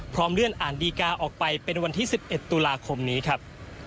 พร้อมเลื่อนอ่านดีกาออกไปเป็นวันที่สิบเอ็ดตุลาคมนี้ครับ